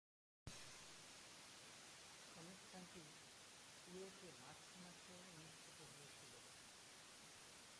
অনুষ্ঠানটি কুয়েটে মার্চ মাসে অনুষ্ঠিত হয়েছিলো।